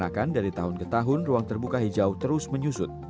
karena kan dari tahun ke tahun ruang terbuka hijau terus menyusut